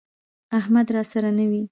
احمد راسره نه وي،